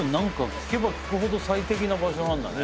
聞けば聞くほど最適な場所なんだね。